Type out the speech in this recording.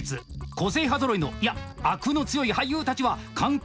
個性派ぞろいのいやあくの強い俳優たちは監督